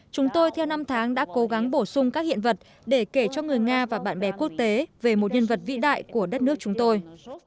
chúng tôi theo năm tháng đã cố gắng bổ sung các hiện vật để kể cho người nga và bạn bè quốc tế về một nhân vật vĩ đại của đất nước chúng tôi